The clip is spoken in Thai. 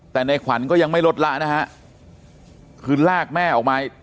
แต่ในขวัญก็ยังไม่ลดละนะฮะคือลากแม่ออกมา